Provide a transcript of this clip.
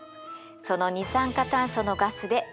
その二酸化炭素のガスで膨らむのよ。